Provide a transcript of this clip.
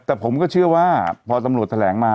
แต่ผมก็เชื่อว่าพอตำรวจแถลงมา